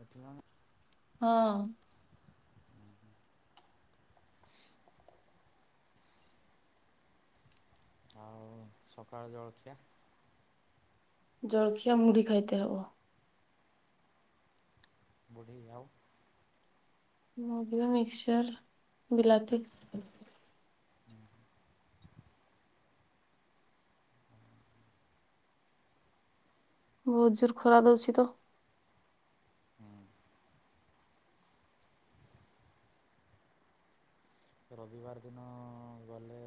ଉଠିଲାଣି? ହଁ। ଆଉ ସକାଳ ଜଳଖିଆ? ଜଳଖିଆ ମୁଢି ଖାଇତେ ହବ। ମୁଢ଼ି ଆଉ ମୁଢ଼ି ଓ ମିକ୍ଚର୍ ବିଲାତି। ହୁଁ ହୁଁ। ବୋହୁତ ଜୋର ଖରା ଦୋଉଛି ତ। ହୁଁ ରବିବାର ଦିନ ଗଲେ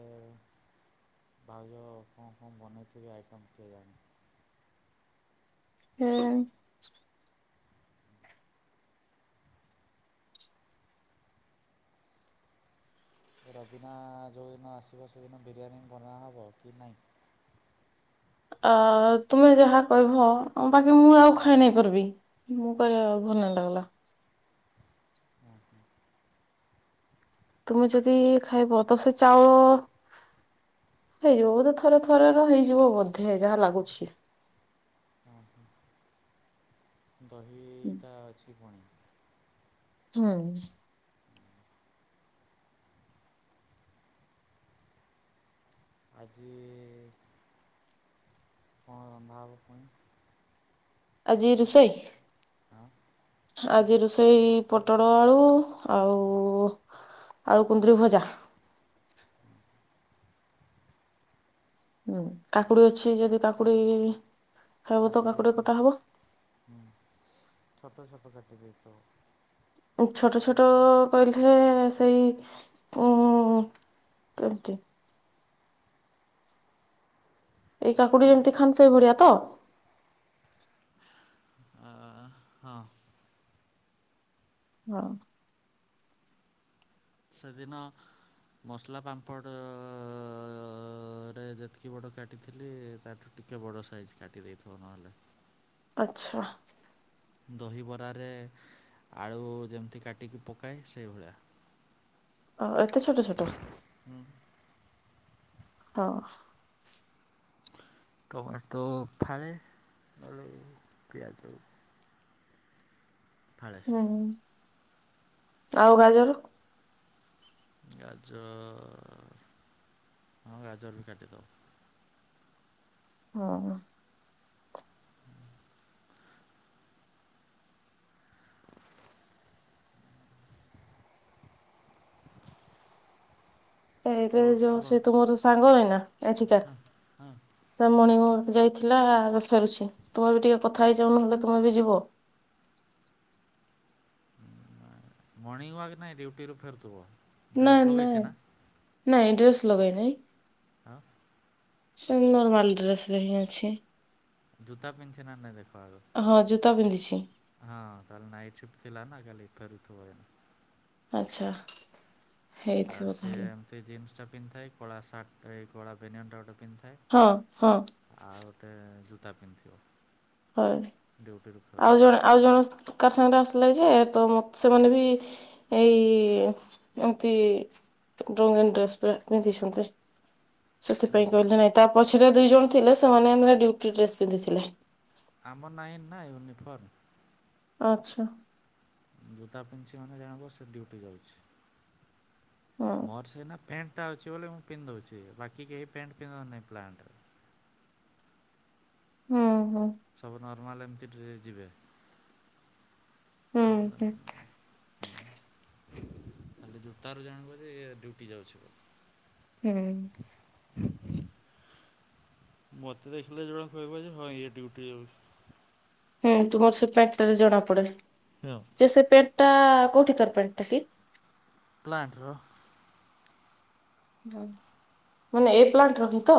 ଭାଉଜ କଣ କଣ ବନେଇଥିବେ ଆଇଟମ କେଜାଣି। କେଜାଣି। ରବିନା ଯୋଉ ଦିନ ଆସିବ ସେଦିନ ବିରିୟାନୀ ବନା ହବ କି ନାଇଁ? ଅ ତୁମେ ଯାହା କହିବ ବାକି ମୁଁ ଆଉ ଖାଇ ନାଇଁ ପାରବି। ମୁଁ କରିଅ ଭ [unintelligible] ହଁ ହଁ ତୁମେ ଯଦି ଖାଇବ ତ ସେ ଚାଉଳ ହେଇଯିବ ବୋଧେ ଥରେ ଥରେ ର ହେଇଯିବ ବୋଧେ ଯାହା ଲାଗୁଛି। ଅ ହୋ। ଦହିଟା ଅଛି ଫୁଣି। ହୁଁ। ଆଜି କଣ ରନ୍ଧା ହବ ପୁଣି? ଆଜି ରୁଷେଇ ହଁ। ଆଜି ରୋଷେଇ ପୋଟଳ ଆଳୁ ଆଉ ଆଳୁ କୁନ୍ଦୁରି ଭଜା। ହୁଁ କାକୁଡି ଅଛି ଯଦି କାକୁଡି ଖାଇବ ତ କାଟି କାକୁଡି ଦେଇଥିବ କଟା ହବ ହୁଁ ଛୋଟ ଛୋଟ କାଟି ଦେଇିଥିବ। ଛୋଟ ଛୋଟ କହିଲେ ସେଇ ଉଁ କେଡିକ୍ ଟେ ଏଇ କାକୁଡି ଯେମିତି ଖାଆନ୍ତି ସେଇ ଭଳିଆ ତ? ଆଁ ହଁ। ହଁ। ସେଦିନ ମସଲା ପାମ୍ପଡ଼ରେ ଯେତିକି ବଡ଼ କାଟିଥିଲି ତାଠୁ ଟିକେ ବଡ଼ ସାଇଜ୍ କାଟି ଦେଇଥିବ ନହେଲେ। ଆଛା। ଦହିବରାରେ ଆଳୁ ଯେମିତି କାଟିକି ପକାଏ ସେଇଭଳିଆ। ଅ ଏତେ ଛୋଟ ଛୋଟ? ହଁ। ଟମାଟୋ ଫାଳେ ଆଳୁ ପିଆଜ ଫାଳେ ହୁଁ ଆଉ ଗାଜର ଗାଜର ହଁ ଗାଜର ବି କାଟିଦବ। ହଁ। ବ ଏକରେ ଯୋଉ ବ ସେ ତୁ ମୋର ସାଙ୍ଗ ନାହିଁନା ନାଚିକା ହଁ ସେ ମଣିଙ୍ଗ ୱାର୍କ ଯାଇ ଥିଲା କଥା ହେଉଛି ତୁମେ ବି ଟିକେ କଥା ହେଇଯାଉ ନହେଲେ ତୁମେ ବି ଯିବ। ମର୍ଣ୍ଣିଂ ୱାକ୍ ନାଇଁ ଡ୍ୟୁଟିରୁୁ ଫେରୁଥିବ। ନା ଡ୍ରେସ୍ ନା ଲଗେଇଛି ନାଇଁ ଡ୍ରେସ ଲଗାଇ ନାହି। ହଁ। ସୁ ନରମାଲ ଡ୍ରେସରେ ହିଁ ଅଛି। ଜୁତା ପିନ୍ଧଛେ ନା ନାଇ ଦେଖ। ହଁ ଜୁତା ପିନ୍ଧିଛି ତାହଲେ ନାଇଟ ସିଫ୍ଟ ଥିଲା ନା କାଲି। ଫେରୁଥିବ ଏୟନା। ଆଚ୍ଛା। ଆଉ ହେଇଥିବ ସିଏ ତାହେଲେ ଏମତି ଜିନ୍ସ ଟା ପିନ୍ଧିଥାଏ କଳା ସାର୍ଟଇ କଳା ବେନ୍ୟାନ ଗୋଟେ ହଁ ହଁ ପିନ୍ଧିଥାଏ ଆଉ ଗୋଟେ ଜୋତା ପିନ୍ଧିଥିବ। ହଉ ଡ୍ୟୁଟିରୁ ଆଉ ଫେରୁଥିବ। ଜଣେ ଆଉ ଜଣ କ ତାର ସାଙ୍ଗରେ ଆସିଲେ ଯେ ତ ମତ ସେମାନେ ବି ଏଇ ଏମତି ଙ୍ଗଡ୍ରେସ୍ ପେଣ୍ଟ ପିନ୍ଧି ସେଥିପାଇଁ କହିଲେ ନାଇଁ ତା ପଛରେ ଦିଇ ଜଣ ଥିଲେ, ସେମାନେ ଆମ ଡିୟୁଟି ଡ୍ରେସ ପିନ୍ଧିଥିଲେ। ଆମର ନାହିଁନ ନା ୟୁନିଫର୍ମ। ଆଛା। ଜୋତା ପିନ୍ଧିଚି ମାନେ ଜାଣବ ସେ ଡୁଟି ଯାଉଛି। ହଁ ମୋରସେ ନା ପ୍ୟାଣ୍ଟ ଟା ଅଛି ବୋଲି ମୁଁ ପିନ୍ଧ ଦଉଛି ବାକି କେହି ପ୍ୟାଣ୍ଟ ପିନ୍ଧ ନାହିଁ ପ୍ଲାଣ୍ଟରେ। ହୁଁ ହୁଁ। ସବୁ ନର୍ମାଲ ଏମିତି ଡ୍ରେସ ଯିବେ। ହୁଁ ହୁଁ ହଁ ଖାଲି ଜୁତାରୁ ଜାଣିବ ଏ ଡ୍ୟୁଟି ଯାଉଚି ବୋଲି। ହୁଁ। ମତେ ଦେଖିଲେ ଜଣ କହିବ ଯେ ହଁ ଇଏ ଡ୍ୟୁଟି ଯାଉଚି। ହୁଁ ତୁମର ସେ ପ୍ୟାଣ୍ଟ ଟାରେ ଜଣା ପଡେ ଯେ ସେ ପଣ୍ଟ ଟା କଉଠି କରପଣ୍ଟଟକି? ପ୍ଲାଣ୍ଟର। ମାନେ ଏ ପ୍ଲାଣ୍ଟ ର ହି ତ?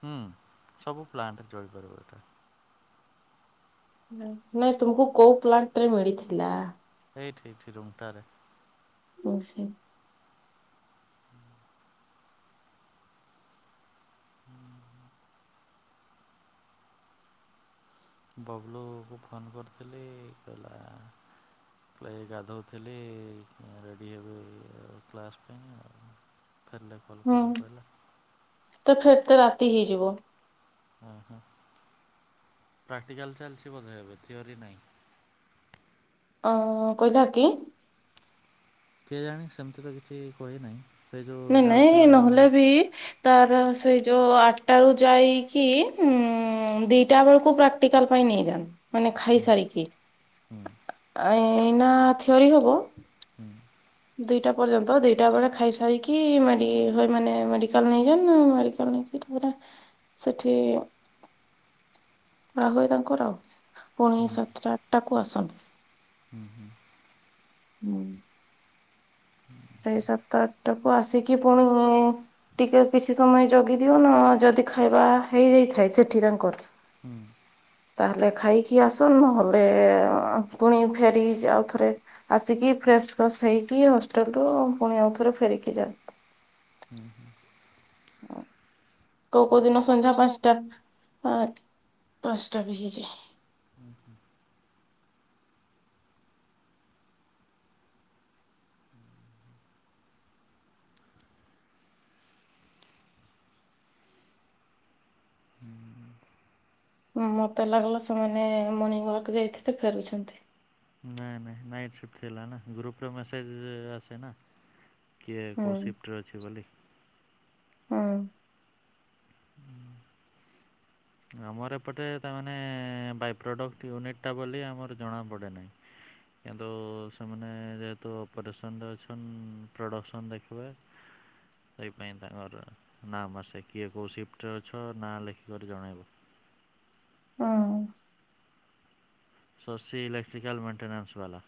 ହୁଁ ସବୁ ପ୍ଲାଣ୍ଟ ଚଳିପାରିବ ଏଇଟା। ନାଇଁ ତୁମକୁ କୋଉ ପ୍ଲାଣ୍ଟ ରେ ମିଳିଥିଲା? ଏଇଠି ଏଇଠି ରୁମଠାରେ। ଓ ହୋ। ବବଲୁଙ୍କୁ ଫୋନ୍ କରିଥିଲି କହିଲା। ପ୍ ଗାଧୋଉଥିଲି ରେଡ଼ି ହେବେ କ୍ଲାସ୍ ପାଇଁ ଆଉ। ଫେରିଲେ କଲ୍ ହୁଁ କରିବି କହିଲା ତ ଫେର ତେ ରାତି ହେଇଯିବ। ହୁ ହୁଁ। ପ୍ରାକ୍ଟିକାଲ ଚାଲିଚି ବଧ ଏବେ ଥିଓରି ନାହିଁ। ଅ କହିଲା କି? କିଏ ଜାଣି ସେମିତି ତ କିଛି କହି ନାହିଁ। ନାଇଁ ନାଇଁ ନହେଲେ ବି ତାର ସେଇ ଯୋଉ ଆଠଟା ରୁ ଯାଇକି ଉ ଦିଟା ବେଳକୁ ପ୍ରାକ୍ଟିକାଲ ପାଇଁ ଯାଏ, ମାନେ ଖାଇ ସାରିକି ଏଇନା ଥିଓରି ହବ। ଦିଇଟା ପର୍ଯ୍ୟନ୍ତ ଦିଇଟା ବେଳେ ଖାଇସାଇକି ମ ମାନେ ମେଡିକାଲ ନେଇଯାନ୍ ମେଡିକାଲ ନେଇ ତାପରେ ସେଠି [inaudible] ରାହୁଏ ତାଙ୍କର ଆଉ ପୁଣି ସାତଟା ଆଠଟା କୁ ଆସନ୍ତି। ହୁଁ ହୁଁ। ହୁଁ। ସେଇ ସାତଟା ଆଠଟା କୁ ଆସିକି ପୁଣି ଟିକେ କିଛି ସମୟ ଜଗି ଦିଅ ନା ଯଦି ଖାଇବା ହେଇଯାଇଥାଏ, ସେଠି ତାଙ୍କର ହୁଁ ତାହେଲେ ଖାଇକି ଆସନୁ ହେଲେ ପୁଣି ଫେରି ଆଉଥରେ ଆସିକି ଫ୍ରେଷ୍ଟସ୍ ହେଇକି ହଷ୍ଟେଲ ରୁ ପୁଣି ଆଉ ଥରେ ଫେରିକି ଯା। ହୁଁ ହୁଁ କୋଉ କୋଉ ଦିନ କୋଉଦିନ ସନ୍ଧ୍ୟା ଶନି ପାଞ୍ଚଟା। ଆ ପାଞ୍ଚଟା ବି ହେଇଯାଏ। ହୁ ହୁ ମତେ ଲାଗିଲ ସେମାନେ ମର୍ଣ୍ଣିଂ ୱାକ୍ ଯାଇଥିଲେ ଫେରୁଛନ୍ତି। ନାଇଁ ନାଇଁ ନାଇଟ୍ ସିଫ୍ଟ ଥିଲା ନା ଗ୍ରୁପ୍ରେ ମେସେଜ ଆସେ ନା କିଏ କେଉଁ ହୁଁ ସିଫ୍ଟରେ ଅଛି ବୋଲି। ହଁ ହୁଁ ଆମର ଏପଟେ ତାମାନୋନେ ବାଇପ୍ରଡ଼କ୍ଟ ୟୁନିଟ୍ଟା ବୋଲି ଆମର ଜଣାପଡ଼େ ନାହିଁ। କିନ୍ତୁ ସେମାନେ ଯେହେତୁ ଅପରେସନରେ ଅଛନ୍ ପ୍ରଡ଼କ୍ସନ୍ ଦେଖିବେ। ସେଇପାଇ ତାଙ୍କର ନାମ ଆସେ କିଏ କହୁସି ଟଉ ଛଅ ନାଁ ଲେଖିକରି ଜଣାଇବ ହଁ ସଶୀ ଇଲେକ୍ଟ୍ରିକାଲ ମେଣ୍ଟେନାନ୍ସ ବାଲା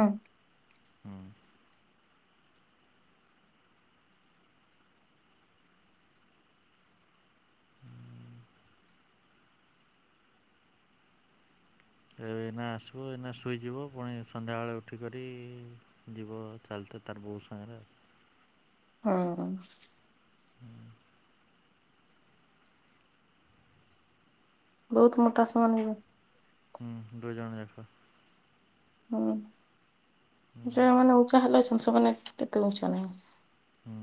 ଅଠ [unintelligible] ହୁଁ ହୁଁ ଏ ଏଇନା ଆସିବ, ଏଇନା ଶୋଇଯିବ, ପୁଣି ସନ୍ଧ୍ୟାବେଳେ ଉଠିକରି ଯିବ ଚାଲି ତ ତାର ବଉ ସାଙ୍ଗରେ ହଁ ହୁଁ ବହୁତ ମୋଟା ସମାନ ହେଇଗଲା। ହୁଁ ଦୁ ଜଣ ଆସ। ହୁଁ ଯେଉଁମାନେ ଉଁଚା ହେଲେ ଅଛନ୍ତି ସେମାନେ କେତେ ଉଁଚା ନାହିଁ ହୁଁ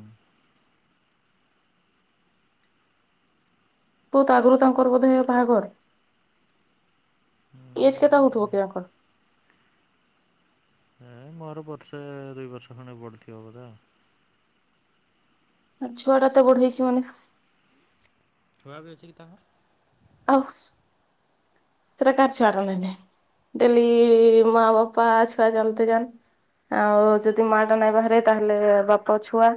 ବହୁତ ଆଗରୁ ତାଙ୍କର ବୋଧେ ବାହାଘର ଏଜ୍ କେତେ ହଉଥବ କଣ? ଏ ମୋର ବର୍ଷ ଦୁଇ ବର୍ଷ ଖଣ୍ଡେ ବଢି ଥିବ ବୋଧେ ଆ ଛୁଆ ଟା ତ ବଢେଇଛି ମାନେ ଛୁଆ ବି ଅଛି କି ତାଙ୍କର? ଆଉ ଚତକାାରଚ ବାରଣନେ [unintelligible] ଡେଲି ମା ବାପାଛୁଆ ଜ ଆଉ ଯଦି ମା ଟା ନାଇଁ ବାହାରେ ତାହେଲେ ବାପ ଛୁଆ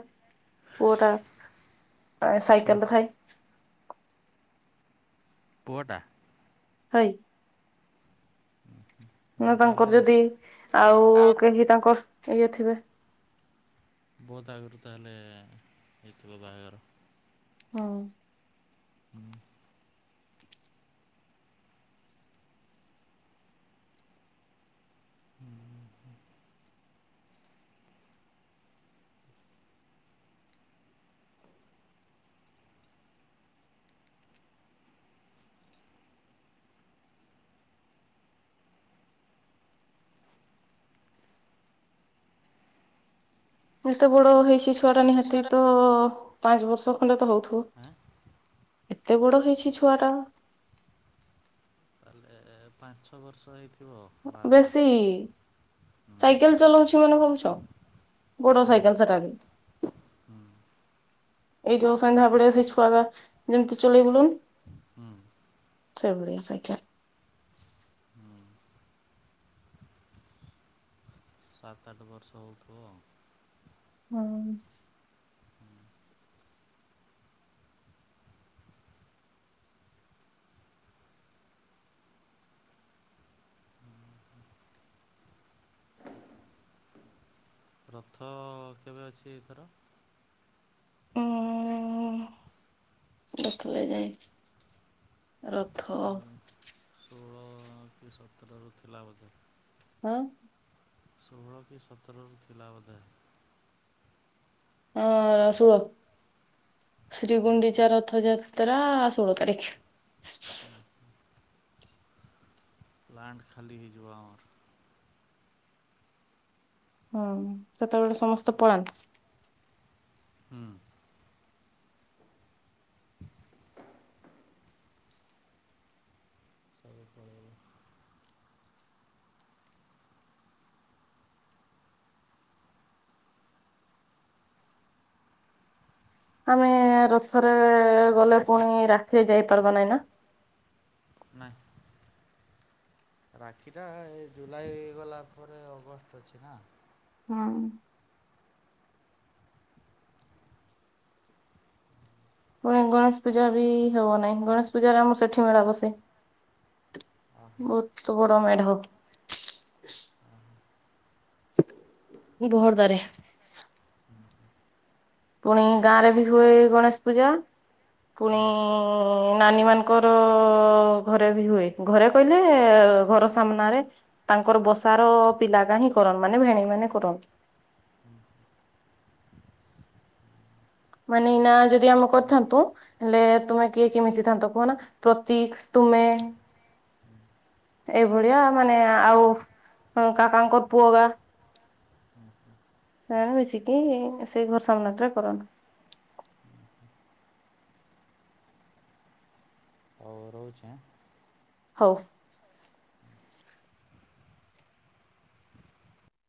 ପୁଅଟା ପୁ ସାଇକଲଟେ ଥାଏ [unintelligible] ପୁଅଟା ହଁ ହୁଁ ନା ତାଙ୍କର ତାହେଲେ ଯଦି ଆଉ କେହି ତାଙ୍କର ଇଏ ଥିବେ? ବହୁତ ଆଗରୁ ତାହେଲେ ହେଇଥିବ ବାହାଘର। ହଁ ହୁଁ ହୁଁ ହୁଁ ଏତେ ବଡ ହେଇଛି ଛୁଆ ଟା ନିହାତି ତ ପାଞ୍ଚ ବର୍ଷ ଖଣ୍ଡେ ତ ହେଇଥିବ। ଆଁ ଏତେ ବଡ ହେଇଛି ଛୁଆ ଟା ପାଞ୍ଚଛ ବର୍ଷ ହେଇଥିବ ବାହାଘର ବେଶି ସାଇକେଲ ଚଲଉଛି ମାନେ ଭାବୁଛ ବଡ଼ ସାଇକେଲ ସେଟା ବି। ଏଇ ଯୋଉ ସନ୍ଧ୍ୟା ବଳେ ସେଇ ଛୁଆ ରା ଯେମିତି ଚଲେଇ ବୁଲନ ହୁଁ। ସେଇଭଳିଆ ସାଇକେଲ୍। ସାତ ଆଠ ବର୍ଷ ହୋଇଥିବ ଆଉ। ହୁଁ। ରଥ କେବେ ଅଛି ଏଥର। ଉଁ ଦେଖିଲେ ଯାଇ କି ରଥ ଏଇ ସତରରୁ ଥିଲା ବୋଧେ। ହଁ ଷୋହଳ କି ସତରରୁ ଥିଲା ବୋଧେ। ଏ ସୁଅ। ଶ୍ରୀ ଗୁଣ୍ଡିଚା ରଥଯାତ୍ରା ଶୋଳ ତାରିଖ। ପ୍ଲାଣ୍ଟ ଖାଲି ହେଇଯିବ ହୁଁ ସେତେବେବେଳେ ସମସ୍ତେ ପଳାନ୍ତି। ହୁଁ। ସବୁ ପଳେଇବ ଆମେ ରଥରେ ଗଲେ ପୁଣି ରାକ୍ଷୀରେ ଯାଇପାରବ ନାଇଁ ନା? ନାଇଁ। ରାକ୍ଷୀଟା ଏ ଜୁଲାଇ ଗଲା ପରେ ଅଗଷ୍ଟ ଅଛି ନା। ହୁଁ। ପୁଣି ଗଣେଶ ପୂଜା ବି ହେବ ନାଇଁ ଗଣେଶ ପୂଜାରେ ଆମ ସେଠି ମେଳା ବସେ। ଓହୋ ବହୁତ ବଡ଼ ମେଢ଼। [inaudible] ବହର୍ ଦାରେ। ପୁଣି ଗାଁ ରେ ବି ହୁଏ ଗଣେଶ ପୂଜା। ପୁଣି ନାନୀ ମାନଙ୍କର ଘରେ ବି ହୁଏ ଘରେ କହିଲେ ଘର ସାମ୍ନାରେ ତାଙ୍କର ବର୍ଷା ର ପିଲା ନାହିଁ କରନ୍ ମାନେ ଭେଣୀଇ ମାନେ କରନ୍। [inaudible] ମାନେ ଏଇନା ଯଦି ଆମେ କରିଥାନ୍ତୁ ହେଲେ ତୁମେ କିଏ କିଏ ମିଶିଥାନ୍ତ କୁହନା ପ୍ରତି ତୁମେ [inaudible] ଏଇଭଳିଆ ମାନେ ଆଉ କାକାଙ୍କ ପୁଅ ଗା ମାନେ ମିଶିକି ସେଇ ଘର ସାମ୍ନା ଟାରେ କରନ୍। ଆଉ ରହୁଛି। ହଉ।